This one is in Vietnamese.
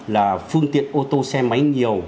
là phương tiện ô tô xe máy nhiều